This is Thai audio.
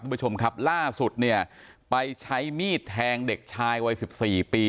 ผู้ชมครับล่าสุดเนี่ยไปใช้มีดแทงเด็กชายวัยสิบสี่ปี